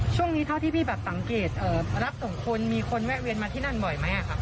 เท่าที่พี่แบบสังเกตรับส่งคนมีคนแวะเวียนมาที่นั่นบ่อยไหมครับ